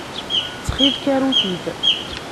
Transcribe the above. Ttxil-k, aru-t-id.